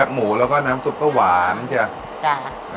แทบหมูแล้วก็น้ำซุปก็หวานจ้ะจ้ะนะฮะ